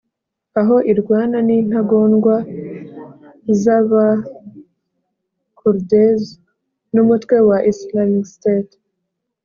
aho irwana n’intagondwa z’Aba-kurdes n’umutwe wa Islamic State